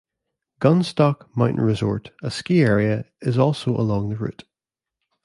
Gunstock Mountain Resort, a ski area, is also along the route.